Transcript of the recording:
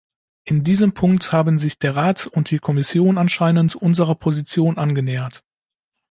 In diesem Punkt haben sich der Rat und die Kommission anscheinend unserer Position angenähert.